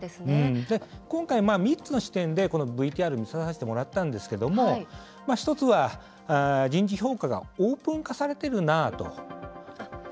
今回、３つの視点でＶＴＲ見させてもらったんですけど１つは、人事評価がオープン化されているなと。